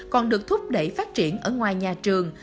còn được thúc đẩy phát triển ở ngoài nhà trường